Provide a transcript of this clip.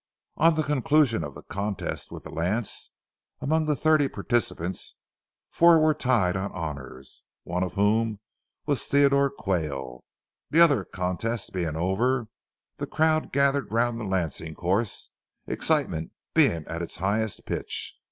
On the conclusion of the contest with the lance, among the thirty participants, four were tied on honors, one of whom was Theodore Quayle. The other contests being over, the crowd gathered round the lancing course, excitement being at its highest pitch.